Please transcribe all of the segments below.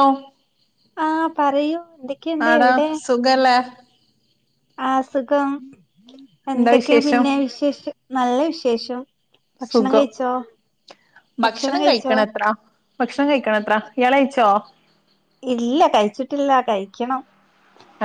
ഓ ആ പറയൂ എ. ആടാ സുഖെല്ലേ. അസുഖം എന്താ എന്തൊക്കെ വിശേഷം പിന്നെ വിശേഷം നല്ല വിശേഷം. ഭക്ഷണം സുഖം കഴിച്ചോ ഭക്ഷണം കഴിക്ക്ണ എപ്പളാ. ഭക്ഷണം കഴിക്കണ എത്ര ഇയാള് കഴിച്ചോ. ഇല്ല കഴിച്ചിട്ടില്ല കഴിക്കണം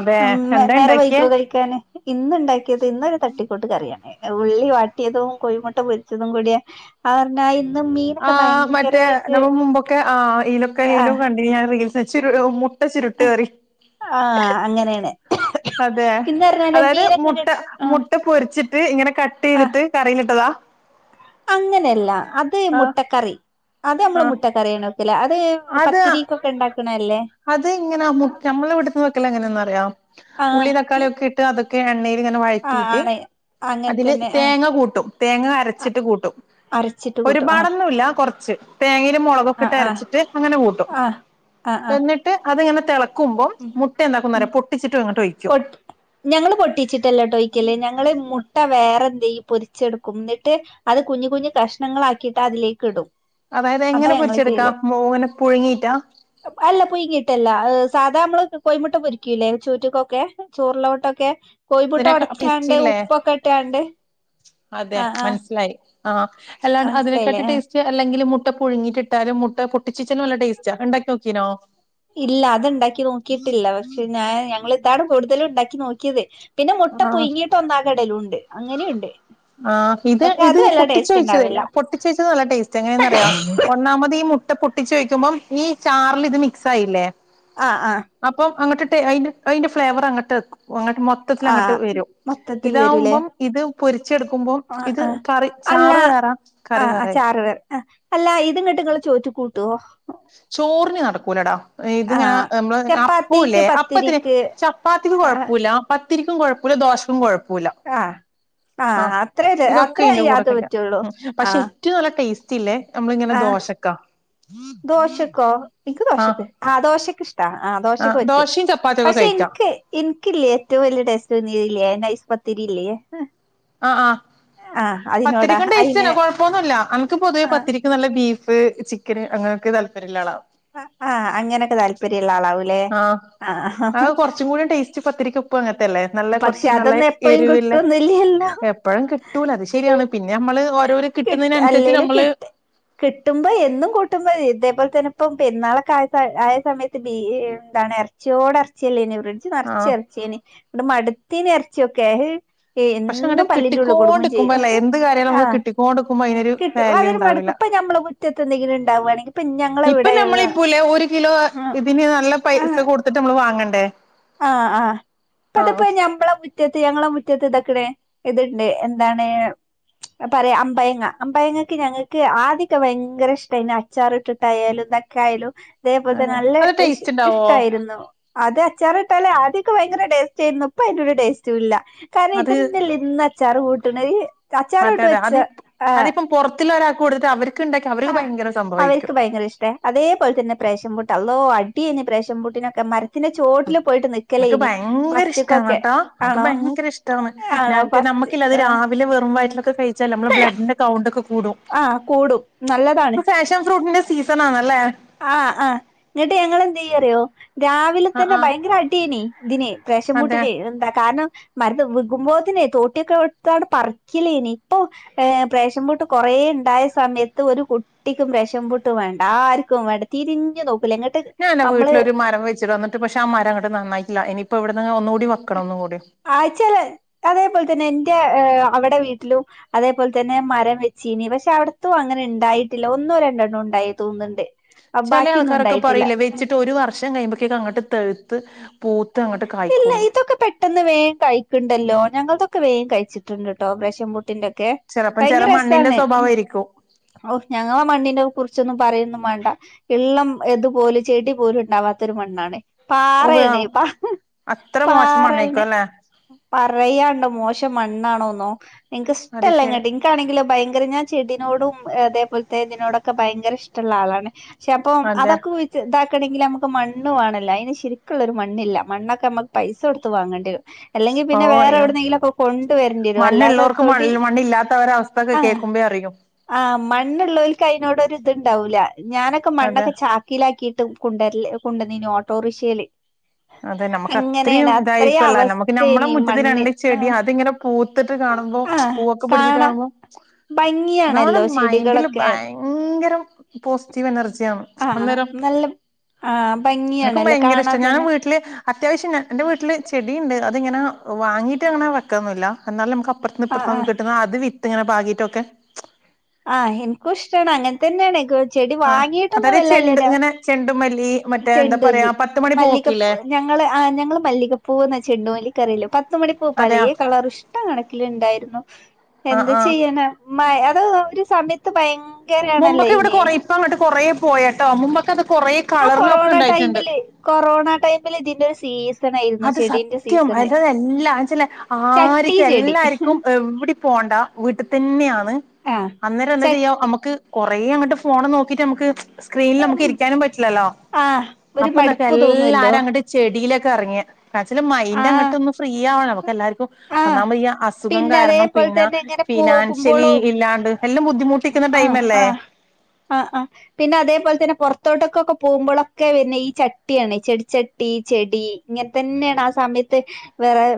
അതെ ഉം എന്താ നേരം ഇണ്ടാക്കിയേ വൈകൊ കഴിക്കാന്. ഇന്ന് ഇണ്ടാക്കിയത് ഇന്നൊരു തട്ടിക്കൂട്ട് കറി ആണേ. ഉള്ളി വാട്ടിയതും കോഴിമുട്ട പൊരിച്ചതും കൂടിയെ. അവർ നെയിം. ആ മറ്റെ നമ്മൾ മുമ്പൊക്കെ ആ എയ്ലൊക്കെ എയ്ലോ ആഹ് ക. ഞാൻ ഒരു റീൽസ് വെച്ച് ഒരു മുട്ട ചുരുട്ടേറി. ആ അങ്ങനേണ്. അതെ അതായത് മുട്ട മുട്ട പൊരിച്ചിട്ട് ഇങ്ങനെ ക. അഹ് അങ്ങനെയല്ല അത് ആ മുട്ടക്കറി. അത് ആ നമ്മള് മുട്ട കറിയണ് വെക്കല് അത് അത് പത്തിരീക്കൊക്കെ ഇണ്ടാക്ക്ണെ ല്ലേ. അത് ഇങ്ങനാ മു ഞമ്മള് ഇവിടുന്ന് വെക്കല് എങ്ങനേന്ന് അറ്യാെ. ആഹ് ഉള്ളിം തക്കാളി ഒക്കെ ഇ. ഇട്ട് അതൊക്കെ എണ്ണയിലിങ്ങനെ ആഹ് വഴറ്റീട്ട് ആണ് അങ്ങനെ അതില് തന്നെ ആഹ് തേങ്ങ കൂട്ടും. തേങ്ങ അരച്ചിട്ട് കൂട്ടും. അരച്ചിട്ട് കൂട്ടും ഒരുപാട് ആഹ് ഒന്നും ഇല്ല കൊറ്ച്ച് തേങ്ങയില് മൊളകൊക്കെ ഇട്ട് ആഹ് ആഹ് അരച്ചിട്ട് അങ്ങനെ കൂട്ടും. ആഹ് ആഹ് ആഹ് എന്നിട്ട് അത് ഇങ്ങനെ തെളക്കുമ്പം ഉം മുട്ട എന്താക്കും എന്ന് ഉം അറിയോ പൊട്ടിച്ചിട്ട് അങ്ങട്ട് ഒഴിക്കും. പൊട്ട് ഞങ്ങള് പൊട്ടിച്ചിട്ട് അല്ലാട്ടോ ഒഴിക്കല് ഞങ്ങള് മു. മുട്ട വേറെ എന്തേ പൊരിച്ച് എടുക്കും എന്നിട്ട് അത് കുഞ്ഞി കുഞ്ഞി കഷ്ണങ്ങൾ ആക്കിട്ട് അതിലേക്ക് ഇടും. അതായത് അതാ എങ്ങനെ ഞങ്ങള് പൊരിച്ച് ചെയ്യല് എടുക്കാം മൊനെ പുഴുങ്ങിട്ടാ. അല്ല പുഴുങ്ങീട്ടല്ല. സാധാ നമ്മള് കൊയിമുട്ട പൊരിക്കൂല്ലേ ചോറ്റുകൊക്കെ ചോറിലോട്ട് ഒക്കെ. കോയിമുട്ട അതിനൊക്കെ ഒടച്ചാണ്ട് ടേസ്റ്റില്ലേ ഉപ്പൊക്കെ ഇട്ടാണ്ട് അഹ് ആഹ്. സിലായി. ആഹ് അല്ല മനസ്സിലായില്ലേ അതിനേക്കാട്ടി ആഹ് ടേസ്റ്റ്. അല്ലെങ്കിലും മുട്ട പുഴുങ്ങിട്ട് ഇട്ടാലും മുട്ട പൊട്ടിച്ചി ചി [unintelligible] നല്ല ടേസ്റ്റാ അഹ് ഇണ്ടാക്കി നോക്കീ ണോ. ഇല്ല അത് ഇണ്ടാക്കി നോക്കിയിട്ടില്ല. പക്ഷെ ഞാൻ ഞങ്ങള് ഇതാണ് കൂടുതലും ഇണ്ടാക്കി നോക്കിയത്. പിന്നെ മുട്ട ആഹ് പുഴുങ്ങിട്ട് ഒന്നാകെ ഇടലും ഉണ്ട് അങ്ങന്യൂ ഉണ്ട്. ആഹ് ഇത് ഇത് പൊട്ടിച്ചൊഴിച്ചതെല്ലെ പൊട്ടിച്ചൊഴച്ചത് നല്ല ടേസ്റ്റാ എങ്ങനെയെന്ന് അറിയാവോ ഒന്നാമത് ഈ മു. പൊട്ടിച്ച് ഒഴിക്കുമ്പം ഈ ചാറില് ഇത് മിക്സ് ആയില്ലേ. ആഹ് ആഹ്. അപ്പം അങ്ങട്ടിട്ടെ അയിന്റെ അയിന്റെ ഫ്ലേവർ അങ്ങട്ട് അങ്ങട്ട് മൊ. മൊത്തത്തിലങ്ങട്ട് ആഹ് വെരും മൊത്തത്തിൽ വരൂലേ ഇതാവുമ്പം. ഇത് പൊരിച്ചെടുക്കുമ്പോ ആഹ് ഇത് ആഹ് കറി ചാറ് വേറെ കറി വേറായി. കറ് വേ അല്ല ഇത് ഇന്നട്ട് ഇങ്ങള് ചോറ്റിക്കൂട്ടോ. ചോറിന് നടക്കൂലടാ ഇത് ഇങ്ങനെ ആഹ് നമ്മള് ചപ്പാത്തിക്ക് അപ്പുവില്ലേ അപ്പത്തിന്. പത്തിരിക്ക് ചപ്പാത്തിക്കും ആഹ് കൊഴപ്പൂല്ല പത്തിരിക്കും കൊഴപ്പൂല്ല ദോശക്കും കൊഴപ്പൂല്ല. ആഹ് ആ ആഹ് അത്ര ഇതൊക്കെ അത്ര ഈന്റെ കൂടെ യാത് കഴിക്കാ പറ്റുള്ളൂ പക്ഷേ. ആഹ് റ്റു നല്ല ടേസ്റ്റ് ഇല്ലെ നമ്മള് ഇങ്ങനെ ആഹ് ദോശക്കാ. ദോശക്കോ ഇൻക്ക് ആഹ് ദോശക്ക് ആ ദോശക്ക് ഇഷ്. ആ ദോശക്ക് ആഹ് പറ്റും ദോശയും ചപ്പാത്തിയൊക്കെ പക്ഷെ കഴിക്കാം ഇൻക്ക്. ഇൻക്കില്ലേ ഏറ്റവും വെല്യ ടേസ്റ്റ് തോന്നിയത് ഇല്ലേ നൈസ് പത്തിരി ഇല്ലേ. അഹ് ആഹ് പത്തിരിക്കും അയിന് ടെസ്റ്റന്നെ കൊഴപ്പൊന്നുല്ല അനക്ക് പൊതുവേ ആഹ് പത്തിരി. നല്ല ബീഫ് ചിക്കന് അങ്ങനെയൊക്കെ താൽപര്യം ഇള്ള ആളാ. അ ആ അങ്ങനൊക്കെ താല്പര്യം ഉള്ള ആളാ ആഹ് അ കൊറച്ചും കൂടെ ടേസ്റ്റ് പത്തിരിക്ക് ഒപ്പം അങ്ങനത്തെ അല്ലേ നല്ല പക്ഷെ കൊറച്ച് നല്ല അതൊന്നും എപ്പഴും എരിവ്ള്ളേ കിട്ടൊന്നില്ലല്ലോ എപ്പഴും കിട്ടൂല അത് ശെര്യാണ് പിന്നെ ഞമ്മള് ഓരോര് കിട്ട്ന്നേനന്സരിച്ച് ഞമ്മള് കിട്ട്മ്പോ എന്നും കൂട്ടുമ്പോ ഇതേപോല്ത്തന്നെ ഇപ്പം പെര്ന്നാളൊക്കെ ആയപ്പ ആയ സമയത്ത് ബീ എന്താണ് എറ എറച്ചിയോടെറച്ച്യല്ലേനോ ഫ്രിഡ്ജ് നെറച്ച് ആഹ് എറച്ച്യേനി ഇന്നട് മട്ത്തിന് എറച്ച്യൊക്കെ പക്ഷെങ്ങട്ട് കിട്ടിക്കോണ്ടിക്കുമ്പല്ലേ എന്ത് കാര്യായാലും അമ്മക്ക് ആഹ് കിട്ടിക്കോണ്ട് കിട്ടും അതിന് മടക്കും ഇപ്പ ഞമ്മളെ മുറ്റത്തെന്തേങ്കിലുംണ്ടാവാണെങ്കീ ഇപ്പൊ ഞമ്മളിപ്പോലേ ഒര് കിലോ ആഹ് ഇതിന് നല്ല പൈസ ആഹ് കൊട്ത്തിട്ട് ഞമ്മള് വാങ്ങണ്ടേ ആഹ് ആഹ് ആഹ് ഇപ്പത്പ്പോ ഞമ്മള മുറ്റത്ത് ഞങ്ങളെ മുറ്റത്ത്താക്ക്ണ് ഇത്ണ്ട് എന്താണ് പറയാ അമ്പയങ്ങ അമ്പയങ്ങക്ക് ഞങ്ങക്ക് ആദ്യൊക്കെ ഭയങ്കര ഇഷ്ടേയ്ന് അച്ചാറിട്ടിട്ടായാലും ന്തക്കായാലും തേപോല്ത്തെന്നെ അതെ നല്ല അത് ഇഷ് ടേസ്റ്റ് ഉണ്ടാവോ ഇഷ്ടായിരുന്നു. അതേ അച്ചാറിട്ടാലും ആദ്യൊക്കെ ഭയങ്കര ടേസ്റ്റേയ്രുന്നു ഇപ്പ അയിന്റൊര് ടേസ്റ്റുംല്ല. കാരണം അത് ഇതെന്ത്ല്ല്യ ഇന്നച്ചാറ് കൂട്ട്ണ് അച്ചാറ്ട്ട് വെച്ച ആഹ് പൊറത്തില്ല ഒരാക്ക് കൊട്ത്തിട്ട് അവര്ക്ക്ണ്ടാക്കി അവര്ക്ക് ഭയങ്കര സംഭവായ്ക്കും ഭയങ്കരഷ്ടെ അതേപോല് തന്ന പ്രേഷംപൂട്ട് അള്ളോ അടിയേനി പ്രേഷംപൂട്ടിനൊക്കെ മര പിന്നെ ചോട്ടില് പോയിട്ട് എനക്ക് നിക്കലേനി ഭയങ്കര ഇഷ്ടാണ് ഫസ്റ്റ്ക്കൊക്കെ കേട്ടോ എനക്ക് ആണോ ഭയങ്കര ഇഷ്ടമാണ് ആണോ ഞങ്ങക്ക് ഫസ്റ്റ് നമ്മുക്കില്ല അത് ആഹ് രാവിലെ വെറും വയറ്റ്ലൊക്കെ കയിച്ചാല് അമ്മള ബ്ലഡിന്റെ കൗണ്ട് ഒക്കെ കൂടും. ആഹ് കൂടും നല്ലതാണ് ഇപ്പ ഫാഷൻ ഫ്രൂട്ട്ന്റെ സീസനാണ്ലേ ആഹ് ആഹ് ന്നിട്ട് ഞങ്ങളെന്തെയ്യു അറിയൊ ആഹ് രാവിലെത്തന്നെ ആഹ് ഭയങ്കര അട്യേനീ ഇതിന് പ്രാശം അതെ ഫ്രൂട്ടിന് എന്താ കാരണം മരത്ത് വികുമ്പോത്തിനെ തോട്ട്യൊക്കെ എടുത്താണ്ട് പറ്ക്കലേനി ഇപ്പൊ ഏഹ് പ്രേഷംപൂട്ട് കൊറേണ്ടായ സമയത്ത് ഒരു കുട്ടിക്കും പ്രേഷംപൂട്ട് വേണ്ട ആർ ക്കും വാണ്ട തിരിഞ്ഞ് നോക്കൂല ങ്ങേ ഞാങ്ങനെ വീട്ട്ല് ഒര് മരം വെയ്ച്ചിടാ ന്നട്ട് പക്ഷെ ആ മരങ്ങട്ട് നന്നായ്ട്ട്ല്ല ഇനിപ്പ ഇവട്ന്ന് ഒന്നൂടി വക്കണം ഒന്നും കൂടി ആച്ചാല് അതേപോല്ത്തന്നെ ന്റെ അവെടെ വീട്ട്ലും അതേപോല്ത്തന്നെ മരം വെച്ചീനി പക്ഷെ അവ്ട്ത്തും അങ്ങനെണ്ടായിട്ടില്ല ഒന്നോ രണ്ടെണ്ണോണ്ടായി തോന്ന്ണ്ട്. ചെലേ ആൾക്കാരൊക്കെ പറയ്ലേ വെച്ചിട്ട് ഒര് വർഷം കഴിയുമ്പക്കേക്ക് അങ്ങട്ട് തെഴ്ത്ത് പൂത്തങ്ങട്ട് ഇല്ല കായ്ക്കൂന്ന്. ഇതൊക്കെ പെട്ടെന്ന് വേം കയ്ക്ക്ണ്ടല്ലോ ഞങ്ങൾതൊക്കെ വേം കയിച്ചിട്ട്ണ്ട്ട്ടോ ഇപ്രാശം പൂട്ട് ട്ടിന്റൊക്കെ ചിലപ്പം ചില മണ്ണിന്റെ ഭയങ്കരെസാണ്. സ്വഭാവമായിരിക്കും ഓ ഞങ്ങ മണ്ണിനെ കുറിച്ചൊന്നും പറയൊന്നും വാണ്ട ഇള്ളം ഇത്പോലും ചെടി പോലുണ്ടാവാത്തൊരു മണ്ണാണ്. ഉവ്വ് പാറേണ് പ അത്ര പാ മോശം മണ്ണായിക്കും അല്ലെ പറയാണ്ടോ മോശം മണ്ണാണോന്നോ എന്ക്ക് അത് ശരി ഇഷ്ടല്ലങ്ങട്ടി ഇൻക്കാണെങ്കിലോ ഭയങ്കര ഞാൻ ചെടിനോടും അതേപോല്ത്തെ ഇതിനോടൊക്കെ ഭയങ്കരെഷ്ടള്ള ആളാണ്. ക്ഷെപ്പം അതെ അതൊക്കെ ഇതാക്കണെങ്കില് അമ്മക്ക് മണ്ണ് വാണല്ലോ അയിന് ശരിക്ക്ള്ളൊരു മണ്ണ്ല്ല മണ്ണൊക്കെ അമ്മക്ക് പൈസൊടു ത്ത് വാങ്ങണ്ടേരും അല്ലെങ്കി ഓ പിന്നെ അയ്യോ വേറെവ്ട്ന്നെങ്കിലൊക്കൊ കൊണ്ട് വരണ്ട്യേരും അല്ലാതെ മണ്ണുള്ളവർക്ക് തൊടി മണ്ണ് മണ്ണില്ലാത്തവരെ അവസ്ഥൊക്കെ ആഹ് കേൾക്കുമ്പോ അറിയും ആഹ് മണ്ണ്ള്ളോല്ക്ക് അയിനോടൊര്ത്ണ്ടാവൂല്ല ഞാനൊക്കെ അതെ മണ്ണൊക്കെ ചാ ക്കിലാക്കിട്ടും കൊണ്ടരല് കൊണ്ടന്നീനു ഓട്ടോറിഷേല് അതെന്നെ അമ്മക്ക് അത്രയും അത്രയും ഇതായിരിക്കല്ലോ ഞമ്മക്ക് ഞമ്മളെ അവസ്ഥേനി മുറ്റത്ത് മണ്ണ് രണ്ട് ചെടി ആഹ് അത്ങ്ങനെ പൂത്ത്ട്ട് കാണുമ്പോ ആഹ് പൂവൊക്കെ പിട്ച്ച്ട്ട് കാണാം കാണുമ്പോ അതവ്ടെ ഭംഗിയാണല്ലോ മൈന്ഡില് ചെടികളൊക്കെ ഭയ ങ്കരം പോസിറ്റീവ് എനർജ്യാണ് ആഹ് നല്ല ആഹ് എനിക്കും ഭംഗ്യാണല്ലോ ഭയങ്കര ഇഷ്ട കാണാൻ ഞാൻ തന്നെ വീട്ടില് അത്യാവശ്യം എന്റെ വീട്ടില് ചെടീണ്ട് അത്ങ്ങനെ വാങ്ങീട്ടങ്ങനെ വെക്കൊന്നില്ല എന്നാലും നമ്മുക്ക് അപ്പറത്ത് ആഹ് ഇപ്പറ്ത്ത്ന്ന് ന്നൊക്ക ആഹ് കിട്ട്ന്ന അത് വിത്ത് ഇങ്ങനെ പാകീട്ടൊക്കെ ആഹ് എന്ക്കും ഇഷ്ടാണ് അങ്ങന് തന്നേണ് ചെടി ആഹ് വാങ്ങീട്ടൊന്നും അതായത് ചെണ്ട് വല്ലല്ല്യാ ഇങ്ങനെ ചെണ്ടുമല്ലി മറ്റേ എന്താ പറയാ പത്തുമണി മല്ലികപ്പൂ പൂവോക്കില്ലേ ഞങ്ങള് ആഹ് ഞങ്ങള് മല്ലികപ്പൂവെന്ന് ച്ചെണ്ടുമലി പറില് പത്തുമണി പൂ പലേ അതെയാ കളർ ഇഷ്ട കണക്കിൽ ഉണ്ടായിരുന്നു ആഹ് എന്താ ആഹ് ചെയ്യാനാ അത് ഒരു സമയത്ത് ഭയങ്കര മുമ്പൊക്കെ ഇവിടെ കൊറെ ഇപ്പ അങ്ങോട്ട് കൊറേ പോയട്ടോ മുമ്പൊക്കെ അത് കൊറെ ആ കൊറോണ ടൈമില് കൊറോണ ടൈമില് ഇതിന്റെ ഒരു സീ അത് സത്യം അതതെല്ലാച്ചല്ല ചട്ടി ആരിക്കും ചെടി എല്ലാർക്കും എവിടെ പോണ്ട വീട്ടിൽ തന്നെയാന്ന് ആ അന്നേരം എന്താ ചട്ട ചെയ്യാ നമുക്ക് കൊറെ അങ്ങോട്ട് ഫോൺ നോക്കിട്ട് നമുക്ക് സ്ക്രീനിൽ നമുക്ക് ഇരിക്കാനും പറ്റില്ലല്ലോ ആ ഒരു അപ്പൊന്തൊക്കെ മടുപ്പ് തോന്നുവല്ലോ എല്ലാരും അങ്ങോട്ട് ചെടിയിലൊക്കെ ഇറങ്ങിയ വെച്ചാല് ആ മൈൻഡ് അങ്ങോട്ട് ഒന്ന് ഫ്രീ ആവ നമുക്ക് എല്ലാർക്കും ആ ഒന്നാമത് അസുഖം പിന്നെ കാരണം അതേപോലെ പിന്നെ തന്നെ ഇങ്ങനെ ഫിനാൻഷ്യലി പോകുമ്പോളും ഇല്ലാണ്ട് എല്ലാം ബുദ്ധിമുട്ടിക്കുന്ന ടൈം അല്ലേ ആഹ് ആഹ് പിന്നെ അതേപോലെ തന്നെ പുറത്തോട്ടൊക്കെ പോകുമ്പോഴൊക്കെ പിന്നെ ഈ ചട്ടിയാണ് ചെിടിച്ച ട്ടി ചെടി ഇങ്ങനെ തന്നെയാണ് ആ സമയത്ത്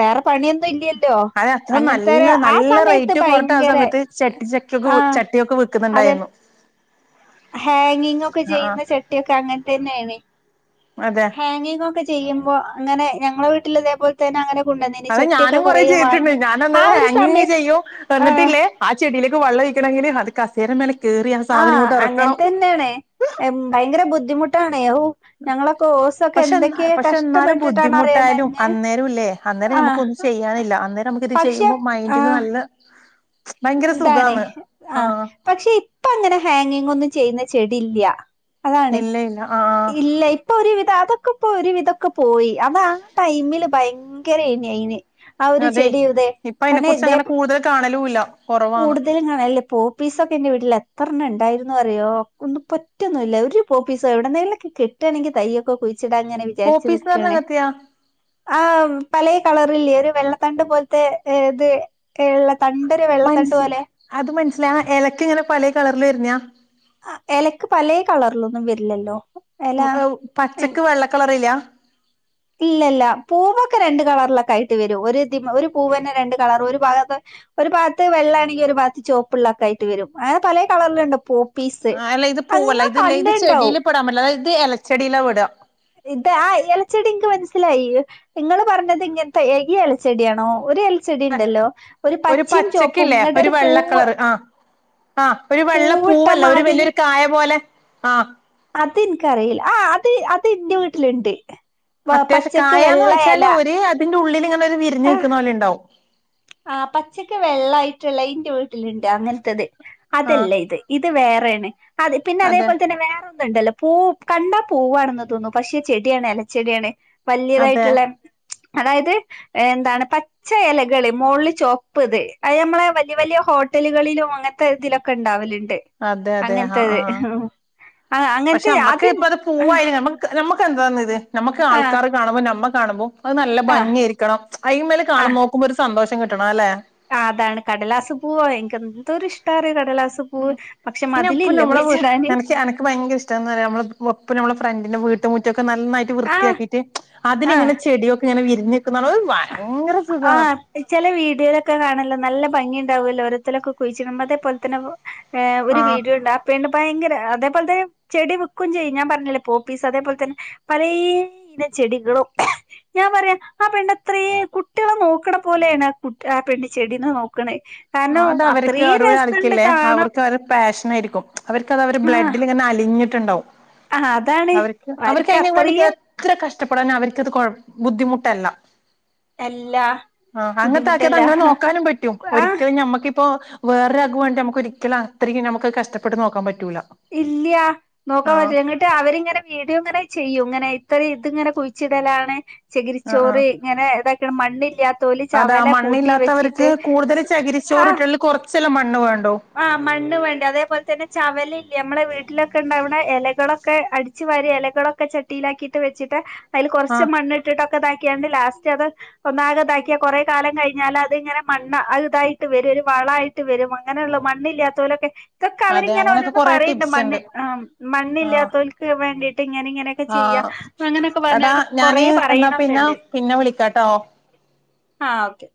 വേറെ പണിയൊന്നും ഇല്ലല്ലോ അത് അത്ര അങ്ങനത്തെ നല്ല ഒരു ആ നല്ല സമയത്ത് റേറ്റ് പോരട്ടാ ആ ഭയങ്കര സമയത്ത് ചട്ടി ചക്കിയൊക്കെ ആ ചട്ടിയൊക്കെ അതെ വിക്കുന്നുണ്ടായിരുന്നു ഹാങ്ങിങ് ഒക്കെ ആ ചെയ്യുന്ന ചട്ടിയൊക്കെ അങ്ങനെ തന്നെയാണ് അതെ ഹാങ്ങിങ് ഒക്കെ ചെയ്യുമ്പോ അങ്ങനെ ഞങ്ങളെ വീട്ടിൽ ഇതേപോല് തെന്നെ അങ്ങന കൊണ്ട് നീ അത് ഞാനും കുറ ചെയ്തിട്ടുണ്ട് ഞാൻ അന്നേരം ഒരു ഹാങ്ങിങ്ങ് സമയത്ത് ചെയും ആ എന്ന് ട്ടില്ലേ ആഹ് ചെടിയിലേക്ക് വെള്ളം ഒഴിക്കണമെങ്കിൽ അത് കസേരമേൽ ആഹ് അങ്ങനത്തെ തന്നെയണേ ഭയങ്കരം ബുദ്ധിമുട്ടാണെ ഔ ഞങ്ങളൊക്കെ ഓസൊക്കെ പക്ഷെ എന്തൊക്കെ പക്ഷെ എന്നാലും കഷ്ടപ്പെട്ടിട്ടാണ് അറിയു ബുദ്ധിമുട്ടായാലും നനഞ് അന്നേരം ഇല്ലേ അന്നേരം ഞമുക്ക് ഒന്നും ചെയ്യാനില്ല അന്നേരം നമുക്ക് ഇത് പക്ഷെ ചെയ്യുമ്പോ ആ മൈൻഡില് നല്ല ഭയങ്കരം ഇതാണ് സുഖാണ് ആ ആഹ് പക്ഷെ ഇപ്പം അങ്ങനെ ഹാങ്ങിങ് ഒന്നും ചെയ്യുന്ന ചെടി ഇല്ല ഇല്ല ഇല്ല ആഹ് ഇല്ല ഇപ്പൊ ഒരുവിധം അതൊക്കെ ഇപ്പൊ ഒരുവിധൊക്കെ പോയി അതാ ടൈമില് ഭയങ്കര എയ്ന് ആ ഒരു അതെ ചെടിയു ഇതെ ഇപ്പൊ അതിനെ തന്നെ കുറിച്ച് ഇതേ അങ്ങനെ കൂടുതൽ കാണലുല്ല കുറവാണ് കൂടുതലും വെല്ല പോ പീസ ഒക്കെ എൻ്റെ വീട്ടിൽ എത്ര എണ്ണം ഉണ്ടായിരുന്നുന്ന് പറയൊ ഒന്നും പോറ്റൊന്നും ഇില്ല ഒരു പോ പീസ എവിടെന്നേലും കിട്ടണെങ്കി തയ്യൊക്കെ കുഴിച്ചിടാന്ന് അങ്ങനെ വിചാരിച്ച് പോപ്പീസ് എന്ന് പറഞ്ഞ നിക്കണ് അങ്ങനത്തെയാ ആ പലയ കളറില്ലേ ഒരു വെള്ളത്തണ്ട് പോലത്തെ ഇത് ഇള്ള തണ്ട് [unintelligible] മനസ് അത് മനസ്സില എലക്ക് ഇങ്ങനെ പല കളറിൽ വരുന്നാ ആഹ് ഇലക്ക് പലേ കളറിലൊന്നും വരില്ലല്ലോ ഇല പച്ചക്ക് വെള്ളക്കളറില്ല ഇല്ല ഇല്ല പൂവൊക്കെ രണ്ട് കളറിലൊക്കെ ആയിട്ട് വരും ഒരു പൂവിന്നെ രണ്ട് കളറ് ഒരു ഭാഗത്ത് ഒരു ബാത്ത് വെള്ള ആണെങ്കിൽ ഒരു ബാത്ത് ചോപ്പുള്ളൊക്കാ ആയിട്ട് വരും അങ്ങനെ പലേ കളറിലുണ്ട് പോപ്പ പീസ് അത് നിങ്ങൾ കൺണ്ടിണ്ടാവും വിടാ പറ്റില്ല അതായത് എലച്ചെടിയിലെ പെടാ ഇത് ആഹ് ഇലച്ചെടി ഇൻക്ക് മനസ്സിലായി നിങ്ങള് പറഞ്ഞത് ഇങ്ങനത്തെ ഇലച്ചെടിയാണോ ഒരു എ ഒരു പച്ചക്കില്ലേ ഇങ്ങട്ട് ഒരു പൂവ് വെള്ളക്കളറ് ആഹ് ആഹ് ഒരു വെള്ള പൂവിട്ട പൂവല്ല ഒരു മാതിരി വലിയൊരു കായ പോലെ ആഹ് അത് ഇൻക്ക് അറിയില്ല ആഹ് അത് ഇൻന്റെ വീട്ടിലുണ്ട് അത്യാവശ്യ പച്ചക്ക് കായാന്ന് വെള്ള ഇല വെച്ചാല് ഒര് അതിന്റെ ഉള്ളിൽ ഇങ്ങനെ ഒരു വിരിഞ് നിൽക്കുന്ന പോലെ ഉണ്ടാവും ആഹ് പച്ചക്ക് വെള്ളയിട്ടുള്ളത് ഇന്റെ വീട്ടിലുണ്ട് അങ്ങനത്തത് ആ അതല്ല ഇത് ഇത് വേറെണ്. അത് പിന്നെ അതെ അതേപോലെ തന്നെ വേറെ ഒന്നും ഉണ്ടല്ലോ പൂ കണ്ടാ പൂവാണെന്ന് തോന്നൂ പക്ഷെ ചെടിയാണ് എലച്ചെടിയാണ് അതെ വല്യതായിട്ടുള്ള അതായത് എന്താണ് പച്ച എലകള് മോളില് ചോപ്പ്ത് അത്ഞമ്മളെ വല്യ വല്യ ഹോട്ടലുകളിലും അങ്ങനത്തെ ഇതിലൊക്കെ ഉണ്ടാവലുണ്ട് അതെ അതെ ആഹ് അങ്ങനത്തത് ആഹ് ആ പക്ഷെ അങ്ങനത്തെ ഞമ്മക്ക് ആദ്യം ഇപ്പത് പൂവായാലും ഞമ്മക്ക് നമുക്ക് എന്താന്ന്ത് നമ്മുക്ക് ആ ആൾക്കാര് കാണുമ്പോ നമ്മൾ കാണുമ്പോ അത് നല്ല ആ ഭംഗി ആരിക്കണം അയ്മേല് കാണുമ്പോ നോക്കുമ്പോ ഒരു സന്തോഷം കിട്ടണം അല്ലെ ആഹ് അതാണ്. കടലാസ് പൂവ്, എനിക്ക് എന്തോരിഷ്ടാ അറിയോ കടലാസ് പൂ പിന്നെ [unintelligible] അനക് അനക്ക് ഭയങ്കര ഇഷ്ടം എന്താന്നറ്യോ ഞമ്മളെ ഒപ്പം ഞമ്മളെ ഫ്രണ്ട്ന്റെ വീട്ടുമുറ്റൊക്കെ നന്നാ ആ വൃത്തിയാക്കിയിട്ട് ആഹ് അതില്ങ്ങനെ ചെടിയൊക്കെ ഇങ്ങെനെ വിരിഞ്ഞിക്ക്ന്ന കാണാൻ ഭയങ്കര സുഖാ ആഹ് ചെല വീഡിയോലൊക്കെ കാണോല്ലോ നല്ല ഭംഗിണ്ടാവോല്ലോ ഒരര്തലൊക്കെ കുയ്ച്ച്ടുമ്പോ അതെപോലെതന്നെ ഏഹ് ആഹ് ഒരുവീഡിയോണ്ടാ പെണ്ണ് ഭയങ്കര അതേപോലെ തന്നെ ചെടി വെക്കും ചെയ്യും ഞാൻ പറഞ്ഞില്ലേ പോപ്പീസ് അതേ പോലെ തന്നെ പലേ തരം ചെടികളും ഞാൻ പറയാം ആ പെണ്ണ് അത്രേ കുട്യ്ളെ നോക്ണ പോലെണ് ആഹ് കു ആ പെണ്ണ് ചെടീനെ നോക്കണേ ആഹ് കാരണം അത് അവർക്ക് അത്രയും രസണ്ട് [unintelligible] കാണാം അവർക്ക് അവരെ പാഷനായിരിക്കും. അവർക്ക്ത് അവരെ ആഹ് ബ്ലഡിൽ ഇങ്ങനെ അലിഞ്ഞ് ട്ടുണ്ടാവും ആഹ് അതാണ് അവർക്ക് അയ്നേം കൊണ്ട് [unintelligible] അത്രയും എത്ര കഷ്ടപ്പെടാനും അവർക്കത് കൊഴപ്പ് ബുദ്ധിമുട്ടല്ല എല്ലാ ആഹ് അങ്ങനത്താക്ക് ബുദ്ധിമുട്ടല്ല അതങ്ങനെ നോക്കാനും പറ്റും ആ ഒരി ഞമ്മക്കിപ്പോ വേറൊരാക്ക് വേണ്ടി ഞമക്ക് ഒരിക്കലും അത്രയ്ക്കും നമുക്ക് കഷ്ടപ്പെട്ട് നോക്കാൻ പറ്റൂല ഇല്യ നോക്കാൻ ആഹ് പറ്റുല ഞങ്ങ ന്ന്ട്ട് അവരിങ്ങനെ വീഡിയോങ്ങനെ ചെയ്യും ഇങ്ങനെ ഇത്ര ഇത്ങ്ങനെ കുഴിച്ചിടലാണ് ആഹ് ചകിരിച്ചോറ് ഇങ്ങനെ [unintelligible] മണ്ണില്ലാ അതാ മണ്ണില്ലാത്തവർക്ക് കൂടുതൽ ആ ചകിരിച്ചോറിട്ട് കുറച്ചല്ലേ മണ്ണ് വേണ്ടൂ ആഹ് മണ്ണ് വേണ്ട, അതേപോലെ തന്നെ ചവലല്ലേ നമ്മളെ വീട്ടിലൊക്കെണ്ടാവ്ണെ എലകളൊക്കെ അടിച്ചു വാരി എലകളൊക്കെ ക്കെ ചട്ടിയിലാക്കിയിട്ട് വെച്ചിട്ട് അയില് കൊറച്ച് ആഹ് മണ്ണ് ഇട്ടിട്ടൊക്കെ താക്കിയാണ്ട് ലാസ്റ്റ് അത് ഒന്നാകെതാക്കിയാ കൊറേ കാലം കഴി കഴിഞ്ഞാല് അത് ഇങ്ങനെ മണ്ണ് അതിതായിട്ട് വരും, ഒരു വളായിട്ട് വരും അങ്ങനെയുള്ള മണ്ണില്ലാതോലൊക്കെ ഇതൊക്കെ അതെ അവരിങ്ങനെ അങ്ങനെയൊക്കെ ഓരോന്ന് കൊറേ പറയ്ണ്ട് ടിപ്സ് മണ്ണ് ഉണ്ട് ആഹ് ആഹ് മണ്ണില്ലാത്തോൽക്ക് വേണ്ടിയിട്ട് ഇങ്ങനിംങ്ങനെയൊക്കെ ചെയ്യാം ആഹ് അങ്ങനൊക്കെ എടാ പറഞ്ഞ്കാണ്ട് കൊറെ ഞാന് എന്നാ പിന്നെ പറയ്ണൊക്കെണ്ട് പിന്നെ വിളിക്കാട്ടോ ആഹ് ഓക്കെ